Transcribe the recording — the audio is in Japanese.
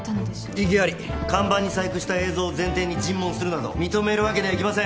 異議あり看板に細工した映像を前提に尋問するなど認めるわけにはいきません